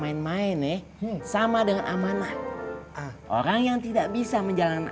karena kita nih anak sama senior senior yang lain bakal ngu playback